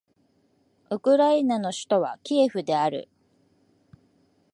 ウクライナの首都はキエフである